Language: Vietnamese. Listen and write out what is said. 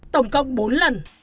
tổng cộng bốn lần